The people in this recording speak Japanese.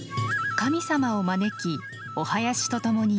神様を招きお囃子と共に舞う。